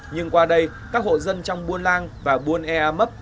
nhưng qua đây các hộ dân trong buôn lang và buôn eamop